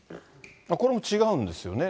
これも違うんですよね。